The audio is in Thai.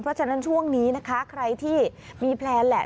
เพราะฉะนั้นช่วงนี้นะคะใครที่มีแพลนแหละ